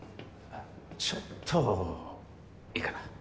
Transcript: ちょっといいかな。